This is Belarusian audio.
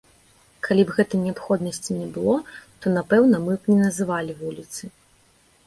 Калі б гэтай неабходнасці не было, то, напэўна, мы б не называлі вуліцы.